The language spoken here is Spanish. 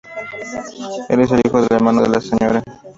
Él es el hijo del hermano de la Sra.